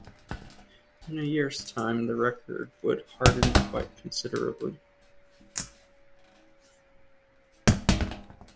In a year's time, the record would harden quite considerably.